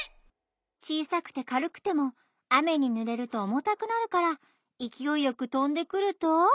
ちいさくてかるくてもあめにぬれるとおもたくなるからいきおいよくとんでくると。